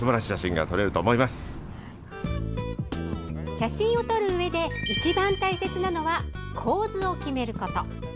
写真を撮るうえで一番大切なのは構図を決めること。